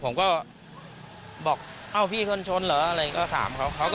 ผมก็บอกเอ้าพี่ชนเรื่องอะไรก็ถามก็เขาก็